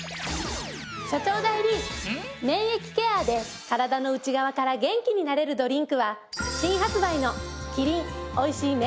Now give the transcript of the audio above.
所長代理免疫ケアで体の内側から元気になれるドリンクは新発売の。